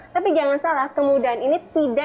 tapi jangan salah kemudahan ini tidak